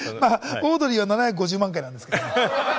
オードリーは７５４万回なんですけどね。